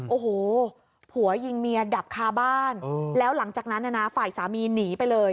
โอ้โหผัวยิงเมียดับคาบ้านแล้วหลังจากนั้นนะฝ่ายสามีหนีไปเลย